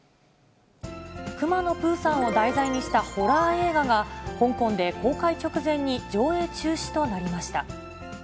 くまのプーさんを題材にしたホラー映画が、香港で公開直前に上映中止となりました。